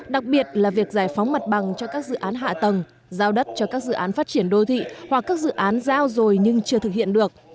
đặc biệt là việc giải phóng mặt bằng cho các dự án hạ tầng giao đất cho các dự án phát triển đô thị hoặc các dự án giao rồi nhưng chưa thực hiện được